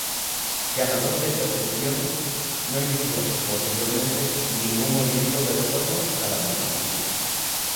Ganador de estas elecciones, no inició posteriormente ningún movimiento de retorno a la monarquía.